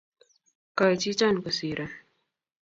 Koi chichon kosiron